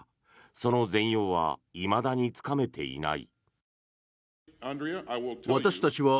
その全容はいまだにつかめていない。